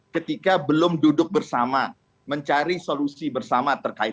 ketika belum duduk bersama mencari solusi bersama terkait